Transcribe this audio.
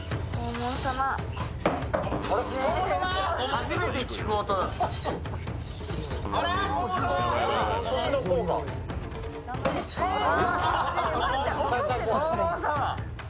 初めて聞く音だ。